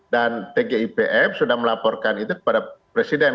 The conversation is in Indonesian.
dan tgipf sudah melaporkan itu kepada presiden